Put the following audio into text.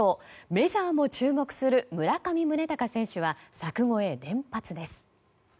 メジャーも注目する村上宗隆選手は柵越え連発です。